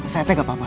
saya teh gak apa apa